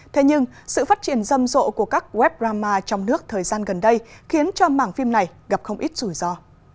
thế nhưng sự phát triển râm rộ của các web drama trong nước thời gian gần đây khiến cho mảng phim này gặp không ít rủi ro